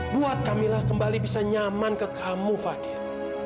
buat kamilah kembali bisa nyaman ke kamu fadil